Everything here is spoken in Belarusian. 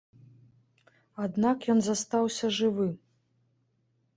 Аднак ён застаўся жывы.